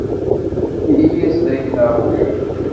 Ini-as dakken ṛwiɣ.